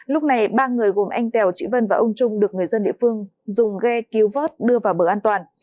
lúc này ba người gồm anh tèo chị vân và ông trung được người dân địa phương dùng ghe cứu vớt đưa vào bờ an toàn